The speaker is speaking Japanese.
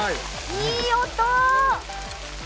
いい音。